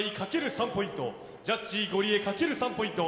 ３ポイントジャッジゴリエかける３ポイント